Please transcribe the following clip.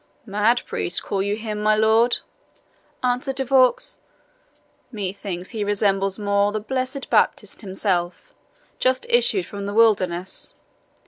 "Mad priest, call you him, my lord?" answered De Vaux. "Methinks he resembles more the blessed Baptist himself, just issued from the wilderness.